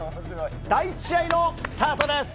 第１試合のスタートです！